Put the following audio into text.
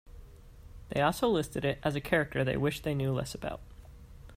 They also listed it as a character they wished they knew less about.